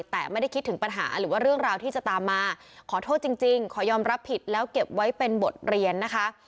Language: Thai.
แต่ไม่ได้คิดถึงปัญหาหรือว่าเรื่องราวที่จะตามมาขอโทษจริงขอยอมรับผิดแล้วเก็บไว้เป็นบทเรียนนะคะ